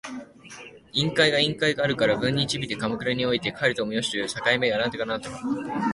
学校の授業が始まるにはまだ大分日数があるので鎌倉におってもよし、帰ってもよいという境遇にいた私は、当分元の宿に留まる覚悟をした。